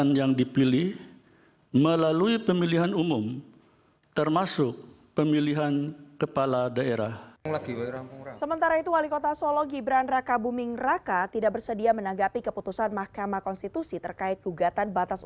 keputusan ini diambil dari sidang uji materi yang berlangsung di gedung mahkamah konstitusi jakarta